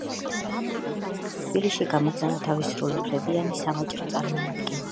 ლიტვის მთავრობამ თბილისში გამოგზავნა თავისი სრულუფლებიანი სავაჭრო წარმომადგენელი.